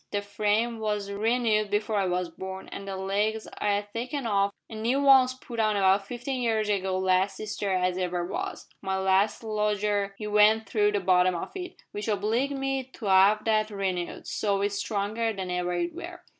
The frame was renoo'd before I was born, an' the legs I 'ad taken off an' noo ones putt on about fifteen year ago last Easter as ever was. My last lodger 'ee went through the bottom of it, w'ich obliged me to 'ave that renoo'd, so it's stronger than ever it were.